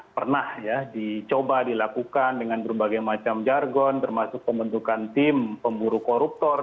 pernah ya dicoba dilakukan dengan berbagai macam jargon termasuk pembentukan tim pemburu koruptor